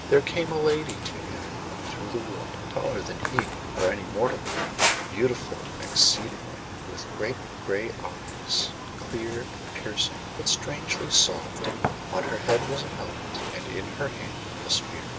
There came a lady to him through the wood, taller than he, or any mortal man; but beautiful exceedingly, with great gray eyes, clear and piercing, but strangely soft and mild. On her head was a helmet, and in her hand a spear.